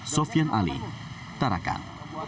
sofian ali tarakan